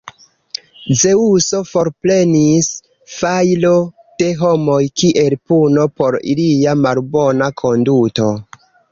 Zeŭso forprenis fajron de homoj kiel puno por ilia malbona konduto.